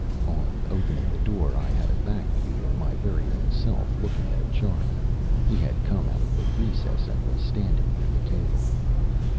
On opening the door I had a back view of my very own self looking at a chart. He had come out of the recess and was standing near the table.